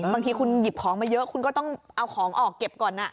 บางทีคุณหยิบของมาเยอะคุณก็ต้องเอาของออกเก็บก่อน